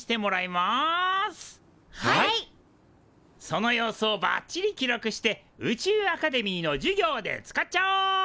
その様子をバッチリ記録して宇宙アカデミーの授業で使っちゃおう！